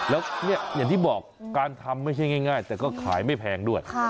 แล้วอย่างที่บอกการทำไม่ใช่ง่ายแต่ก็ขายไม่แพงด้วย